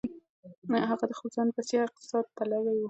هغه د ځان بسيا اقتصاد پلوی و.